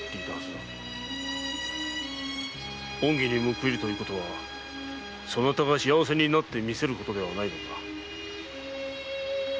恩義に報いるとはそなたが幸せになってみせることではないのか？